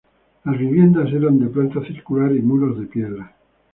Las viviendas eran de planta circular y muros de piedra.